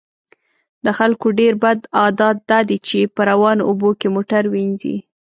د خلکو ډیر بد عادت دا دی چې په روانو اوبو کې موټر وینځي